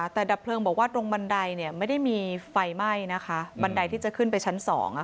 แต่ดับเพลิงบอกว่าตรงบันไดไม่ได้มีไฟไหม้นะคะบันไดที่จะขึ้นไปชั้น๒